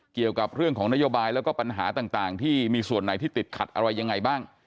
เกี่ยวกับเรื่องของนโยบายแล้วก็ปัญหาต่างที่มีส่วนไหนที่ติดขัดอะไรยังไงบ้าง